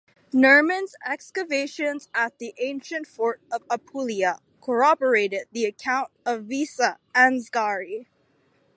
Nerman's excavations at the ancient fort of Apulia corroborated the account of "Vita Ansgari".